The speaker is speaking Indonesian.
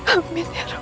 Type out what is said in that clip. amin ya allah